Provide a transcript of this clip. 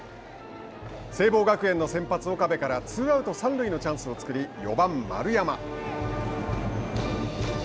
聖望学園の先発岡部からツーアウト、三塁のチャンスを作り４番丸山。